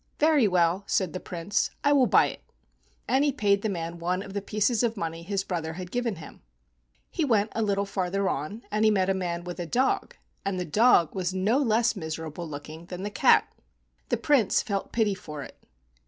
"Very well," said the Prince, "I will buy it;" and he paid the man one of the pieces of money his brother had given him. He went on a little farther and he met a man with a dog, and the dog was no less miserable looking than the cat. The Prince felt pity for it.